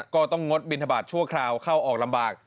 ก็ต้องงดบินทบาทชั่วคราวเข้าออกลำบาก